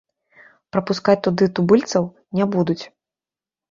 Прапускаць туды тубыльцаў не будуць.